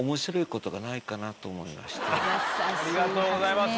ありがとうございます。